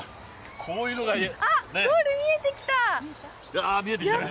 こういうのがね。